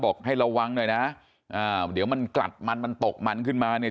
ให้ระวังหน่อยนะอ่าเดี๋ยวมันกลัดมันมันตกมันขึ้นมาเนี่ย